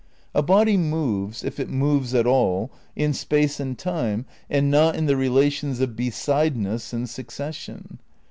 A body moves, if it moves at all, in space and time and not in the relations of besideness and succes sion.